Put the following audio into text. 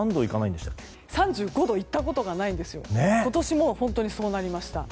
３５度に行ったことがないですが今年もそうなりました。